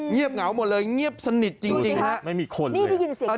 เงียบเหงาหมดเลยเงียบสนิทจริงครับไม่มีคนเลยดูสิครับ